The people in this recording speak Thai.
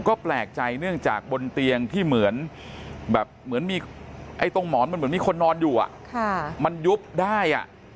ก็แปลกใจเนื่องจากบนเตียงที่เหมือนแบบเหมือนมีตรงหมอนมันเหมือนมีคนนอนอยู่มันยุบได้